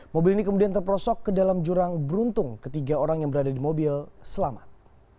mobil ini kemudian terperosok ke dalam jurang beruntung ketiga orang yang berada di mobil selamat